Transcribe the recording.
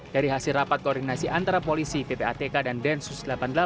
dari hasil rapat koordinasi antara polisi ppatk dan densus delapan puluh delapan